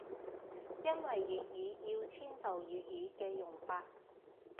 因為粵語要遷就粵語嘅用法